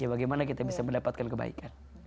bagaimana kita bisa mendapatkan kebaikan